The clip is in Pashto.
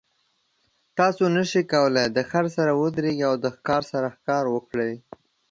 تاسو نشئ کولی د خر سره ودریږئ او د ښکار سره ښکار وکړئ.